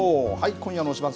今夜の推しバン！